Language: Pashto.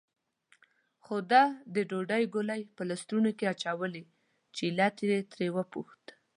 خو ده د ډوډۍ ګولې په لستوڼي کې اچولې، چې علت یې ترې وپوښت.